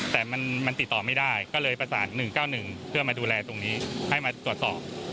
แต่มันติดต่อไม่ได้ก็เลยประสาน๑๙๑เพื่อมาดูแลตรงนี้ให้มาตรวจสอบ